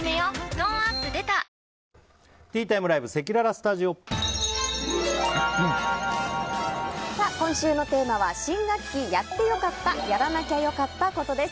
トーンアップ出た今週のテーマは新学期やってよかった・やらなきゃよかったコトです。